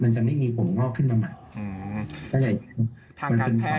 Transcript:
มันจะไม่มีผมงอกขึ้นมาใหม่